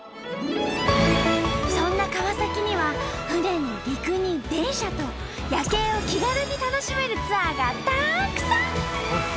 そんな川崎には船に陸に電車と夜景を気軽に楽しめるツアーがたくさん！